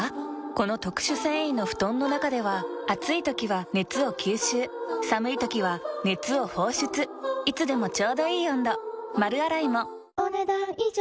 この特殊繊維の布団の中では暑い時は熱を吸収寒い時は熱を放出いつでもちょうどいい温度丸洗いもお、ねだん以上。